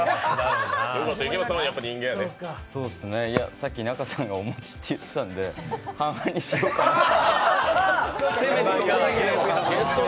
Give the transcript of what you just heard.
さっき仲さんがお餅って言ってたんで、半々にしようかなと。